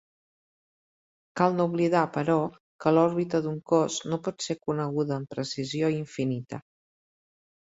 Cal no oblidar, però, que l'òrbita d'un cos no pot ser coneguda amb precisió infinita.